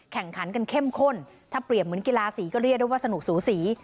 แข่งขันกันเข้มข้นถ้าเปรียบเหมือนกีฬาสีก็เรียกได้ว่าสนุกสูสี